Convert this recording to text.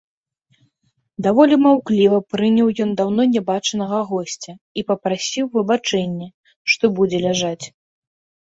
Даволі маўкліва прыняў ён даўно нябачанага госця і папрасіў выбачэння, што будзе ляжаць.